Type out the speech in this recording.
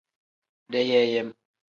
Deyeeyem.